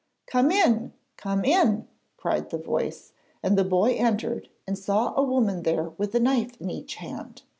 'Come in! Come in!' cried the voice, and the boy entered and saw a woman there with a knife in each hand.